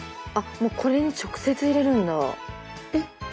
あもうこれに直接入れるんだ。